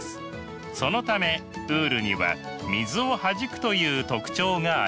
そのためウールには水をはじくという特徴があります。